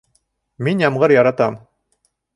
Мин ямғыр яратам